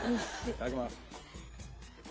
いただきます。